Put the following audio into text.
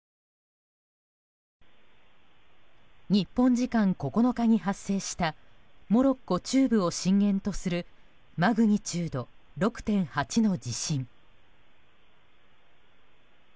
日本時間９日に発生したモロッコ中部を震源とするマグニチュード６．８の地震。